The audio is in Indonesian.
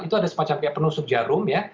itu ada semacam kayak penusuk jarum ya